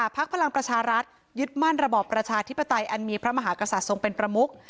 พลังประชารัฐยึดมั่นระบอบประชาธิปไตยอันมีพระมหากษัตริย์ทรงเป็นประมุก